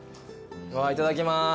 いただきます。